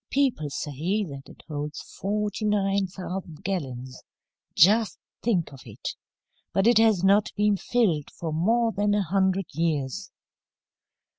People say that it holds forty nine thousand gallons. Just think of it! But it has not been filled for more than a hundred years.